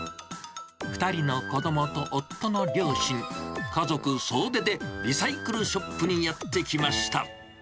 ２人の子どもと夫の両親、家族総出でリサイクルショップにやって来ました。